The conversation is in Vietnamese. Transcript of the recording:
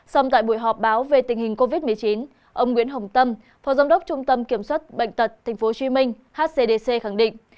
xong tại buổi họp báo về tình hình covid một mươi chín ông nguyễn hồng tâm phó giám đốc trung tâm kiểm soát bệnh tật tp hcm hcdc khẳng định